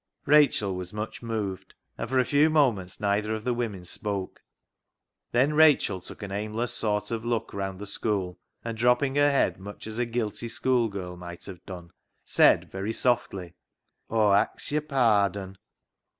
Rachel was much moved, and for a few moments neither of the women spoke. Then Rachel took an aimless sort of look round the school, and dropping her head much as a guilty schoolgirl might have done, said very softly —" Aw ax yer pardon."